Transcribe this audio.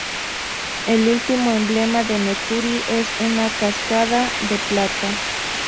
El último emblema de Mercury es una cascada de plata.